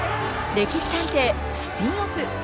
「歴史探偵」スピンオフ。